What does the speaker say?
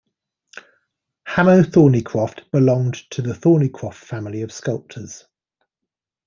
Hamo Thornycroft belonged to the Thornycroft family of sculptors.